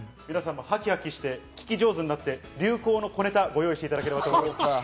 ハキハキして、聞き上手になって流行の小ネタを用意していただければと思います。